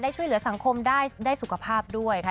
ช่วยเหลือสังคมได้สุขภาพด้วยค่ะ